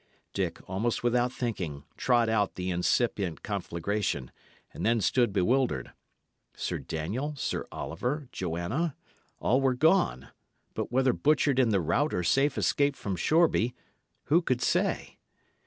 Dick, almost without thinking, trod out the incipient conflagration, and then stood bewildered. Sir Daniel, Sir Oliver, Joanna, all were gone; but whether butchered in the rout or safe escaped from Shoreby, who should say?